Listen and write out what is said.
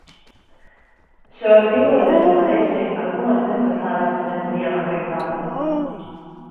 Se o herbívoro desaparece algunhas destas aves tamén serían afectadas.